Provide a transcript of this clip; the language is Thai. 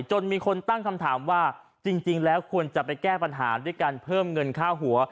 จนมีคนตั้งคำถามว่าจริงแล้วควรจะไปแก้ปัญหาด้วยการเพิ่มเงินค่าหัว